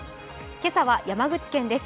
今朝は山口県です。